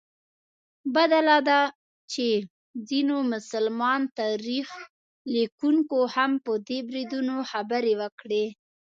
بده لا دا چې ځینو مسلمان تاریخ لیکونکو هم په دې بریدونو خبرې وکړې.